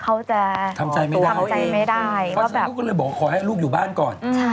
เขาจะทำใจไม่ได้เพราะฉะนั้นลูกก็เลยบอกขอให้ลูกอยู่บ้านก่อน